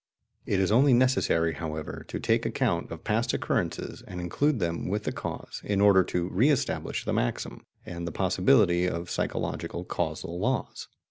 It is only necessary, however, to take account of past occurrences and include them with the cause, in order to re establish the maxim, and the possibility of psychological causal laws.